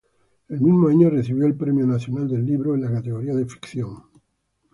El mismo año recibió el Premio Nacional del Libro en la categoría de ficción.